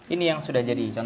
ini yang sudah jadi